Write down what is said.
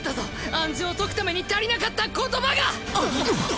暗示を解くために足りなかった言葉が！